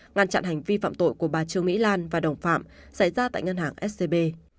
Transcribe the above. ngăn chặn hành vi phạm tội của bà trương mỹ lan và đồng phạm xảy ra tại ngân hàng scb